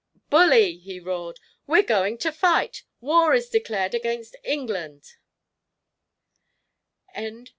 "Bully!" he roared; "we're going to fight! War is declared against England!"